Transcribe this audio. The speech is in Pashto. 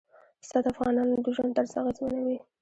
پسه د افغانانو د ژوند طرز اغېزمنوي.